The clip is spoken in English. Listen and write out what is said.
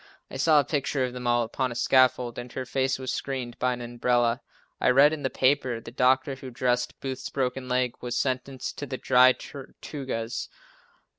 I saw a picture of them all upon a scaffold and her face was screened by an umbrella. I read in one paper that the doctor who dressed Booth's broken leg was sentenced to the Dry Tortugas.